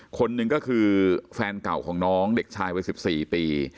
คนหนึ่งก็คือแฟนเก่าของน้องเด็กชายวัย๑๔ปี